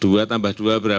dua tambah dua berapa